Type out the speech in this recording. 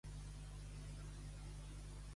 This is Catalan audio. A les amples.